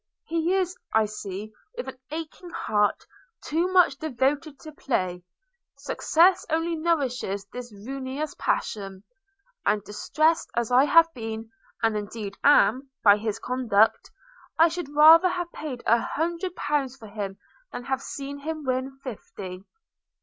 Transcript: He is, I see with an aching heart, too much devoted to play – Success only nourishes this ruinous passion – and distressed as I have been, and indeed am, by his conduct, I should rather have paid an hundred pounds for him than have seen him win fifty.'